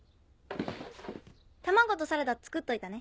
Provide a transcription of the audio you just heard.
卵とサラダ作っといたね。